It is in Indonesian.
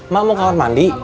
mak mau kamar mandi